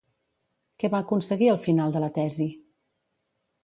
Què va aconseguir al final de la tesi?